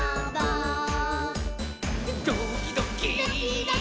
「ドキドキ」ドキドキ。